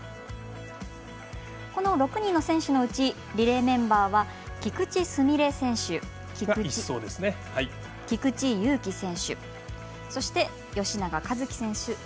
この６人の選手のうちリレーメンバーは菊池純礼選手、菊池悠希選手そして、吉永一貴選手